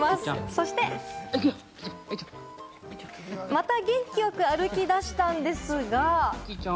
そして、また元気よく歩き出したんですが。